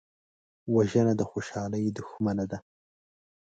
وژنه د خوشحالۍ دښمنه ده